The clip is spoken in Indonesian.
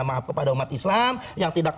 maaf kepada umat islam yang tidak